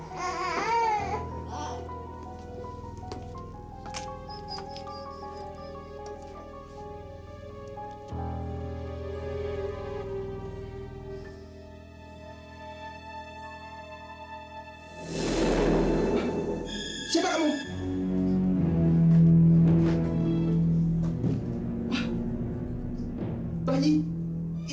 saya harus mendapatkannya dan memilikinya